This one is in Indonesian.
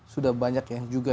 sudah banyak yang